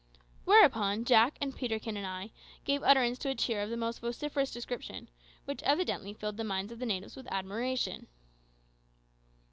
Thereupon Jack and I and Peterkin gave utterance to a cheer of the most vociferous description, which evidently filled the minds of the natives with admiration.